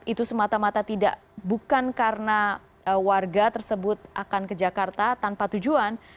itu semata mata tidak bukan karena warga tersebut akan ke jakarta tanpa tujuan